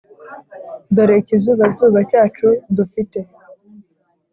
dore ikizubazuba cyacu dufite